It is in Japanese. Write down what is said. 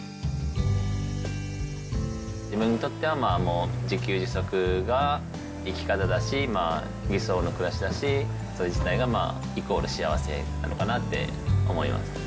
自分にとっては、もう自給自足が生き方だし、理想の暮らしだし、それ自体がイコール幸せなのかなって思います。